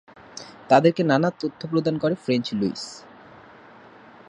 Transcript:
তাদেরকে নানা তথ্য প্রদান করে ফ্রেঞ্চ লুইস।